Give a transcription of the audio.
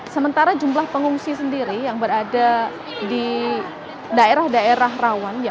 sementara jumlah pengungsi sendiri yang berada di daerah daerah rawan